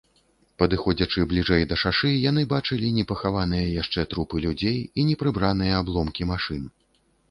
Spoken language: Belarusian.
Падыходзячы бліжэй да шашы, яны бачылі непахаваныя яшчэ трупы людзей і непрыбраныя абломкі машын.